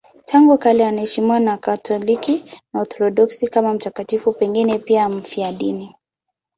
Tangu kale anaheshimiwa na Wakatoliki na Waorthodoksi kama mtakatifu, pengine pia mfiadini.